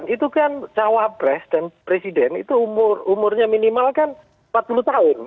itu kan cawapres dan presiden itu umurnya minimal kan empat puluh tahun